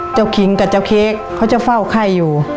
เจ้าขิงกับเจ้าเค้กก็จะเฝ้าไข้อยู่